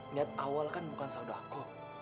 niat awal kan bukan saudako